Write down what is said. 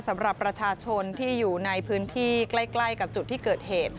สำหรับประชาชนที่อยู่ในพื้นที่ใกล้กับจุดที่เกิดเหตุ